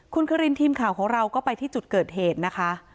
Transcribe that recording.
คุณคารินทีมข่าวของเราก็ไปที่จุดเกิดเหตุนะคะ